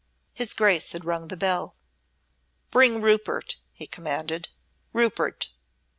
His Grace had rung the bell. "Bring Rupert," he commanded. "Rupert."